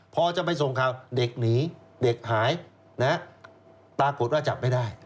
พอจะไปส่งข่าวเด็กหนีเด็กหายปรากฏว่าจับไม่ได้